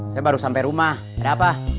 saya baru sampai rumah ada apa